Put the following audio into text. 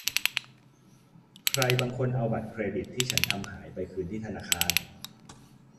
ใครบางคนเอาบัตรเครดิตที่ฉันทำหายไปคืนที่ธนาคาร